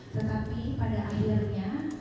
tetapi pada akhirnya